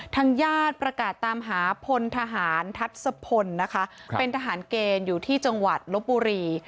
ทางญาติประกาศตามหาพลทหารทัศพลนะคะเป็นทหารเกณฑ์อยู่ที่จังหวัดลบบุรี